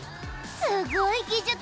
すごい技術！